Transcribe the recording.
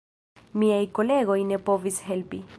Miaj kolegoj ne povis helpi.